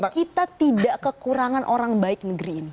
kita tidak kekurangan orang baik negeri ini